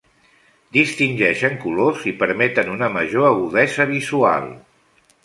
Distingeixen colors i permeten una major agudesa visual.